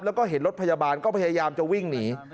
แล้วก็เห็นรถพยาบาลก็พยายามจะวิ่งหนี